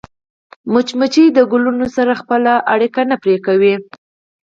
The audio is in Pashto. مچمچۍ د ګلونو سره خپله اړیکه نه پرې کوي